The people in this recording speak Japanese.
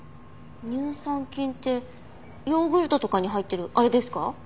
乳酸菌ってヨーグルトとかに入ってるあれですか？